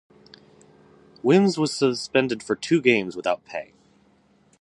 Wims was suspended for two games without pay.